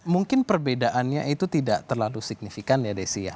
mungkin perbedaannya itu tidak terlalu signifikan ya desi ya